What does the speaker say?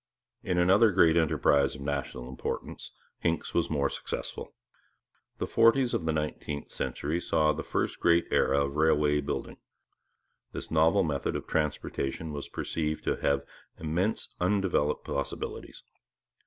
In another great enterprise of national importance Hincks was more successful. The forties of the nineteenth century saw the first great era of railway building. This novel method of transportation was perceived to have immense undeveloped possibilities.